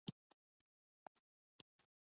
څنګه کولی شم د ماشومانو لپاره د جنت د امن بیان کړم